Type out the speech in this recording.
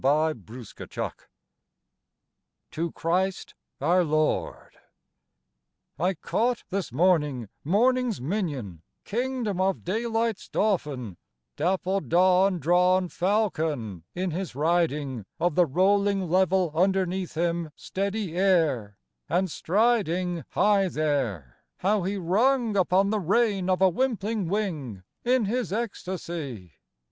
12 The Windhover: To Christ our Lord I CAUGHT this morning morning's minion, king dom of daylight's dauphin, dapple dawn drawn Fal con, in his riding Of the rolling level underneath him steady air, and striding High there, how he rung upon the rein of a wimpling wing In his ecstacy!